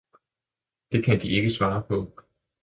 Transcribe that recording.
Det kan De ikke svare på!